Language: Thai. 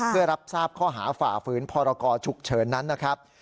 เพื่อรับทราบข้อหาฝ่าฝืนพรกรฉุกเฉินนั้นนะครับ